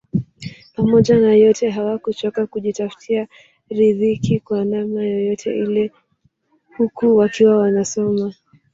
Pamoja na yote hawakuchoka kujitafutia ridhiki kwa namna yoyote ile huku wakiwa wanasoma